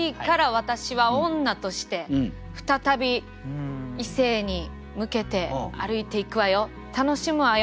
「私は女として再び異性に向けて歩いていくわよ楽しむわよ